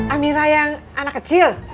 amira yang anak kecil